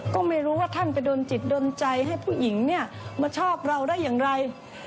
ก็ไม่รู้ว่าท่านไปโดนจิตโดนใจให้ผู้หญิงเนี่ยมาชอบเราได้อย่างไร